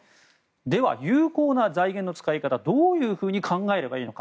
では、有効な財源の使い方どう考えればいいのか。